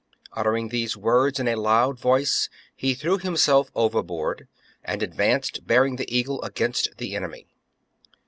Uttering these words in a loud voice, he threw himself overboard, and idvanced, bearing the eagle, against the enemy.